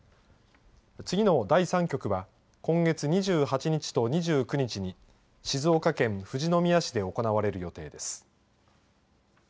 次の第３局は今月２８日と２９日に静岡県富士宮市で行われる予定です。